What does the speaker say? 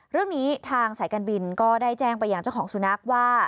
เรื่องนี้ทางสายการบินก็ได้แจ้งไปอย่างเจ้าของสุนัขว่า